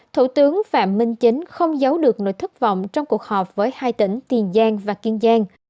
thủ tướng phạm minh chính không giấu được nỗi thất vọng trong cuộc họp với hai tỉnh tiền giang và kiên giang